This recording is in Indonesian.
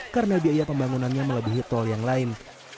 karena biaya pembangunannya melebihi tol yang lain